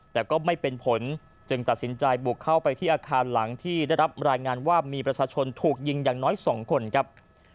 แต่ก็ไม่เป็นผลจึงตัดสินใจบุกเข้าไปที่อาคารหลังที่ได้รับรายงานว่ามีประชาชนถูกยิงอย่างน้อย๒คนครับ